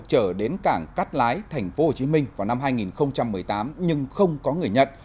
chở đến cảng cát lái tp hcm vào năm hai nghìn một mươi tám nhưng không có người nhận